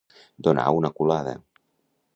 Donar una culada.